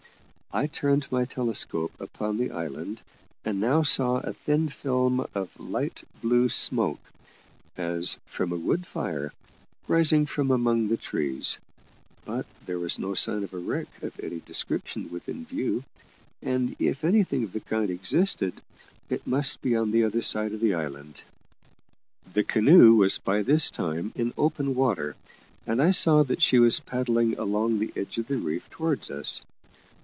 I turned my telescope upon the island, and now saw a thin film of light blue smoke, as from a wood fire, rising from among the trees; but there was no sign of a wreck of any description within view, and if anything of the kind existed, it must be on the other side of the island. The canoe was by this time in open water, and I saw that she was paddling along the edge of the reef towards us.